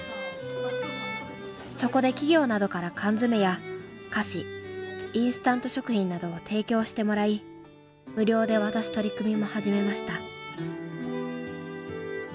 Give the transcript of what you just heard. そこで企業などから缶詰や菓子インスタント食品などを提供してもらい無料で渡す取り組みも始めました。